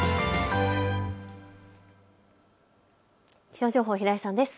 気象情報、平井さんです。